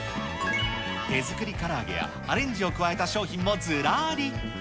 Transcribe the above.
手作りから揚げやアレンジを加えた商品もずらり。